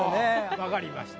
分かりました。